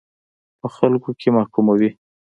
په خلکو کې محکوموي.